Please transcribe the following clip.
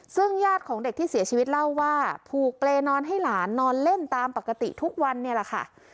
ซึ่งญาติของเด็กที่เสียชีวิตเล่าว่าผูกเปรย์นอนให้หลานนอนเล่นตามปกติทุกวันเนี่ยแหละค่ะ